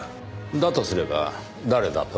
だとすれば誰だと？